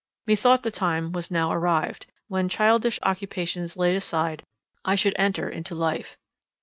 Methought the time was now arrived, when, childish occupations laid aside, I should enter into life.